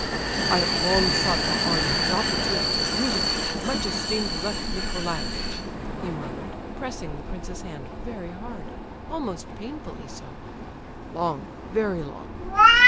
"I have long sought the honour and opportunity of meeting you—much esteemed Lef Nicolaievitch," he murmured, pressing the prince's hand very hard, almost painfully so; "long—very long."